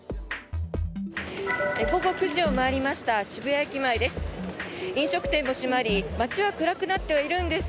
午後９時を回りました渋谷駅前です。